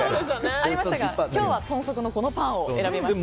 ありましたが今日は豚足のこのパンを選びました。